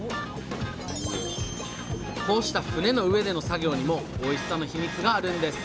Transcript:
こうした船の上での作業にもおいしさのヒミツがあるんです